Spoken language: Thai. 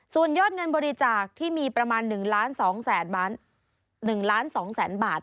ส่วนยอดเงินบริจาคที่มีประมาณ๑๒๑ล้าน๒แสนบาท